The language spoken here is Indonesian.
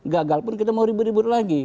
gagal pun kita mau ribut ribut lagi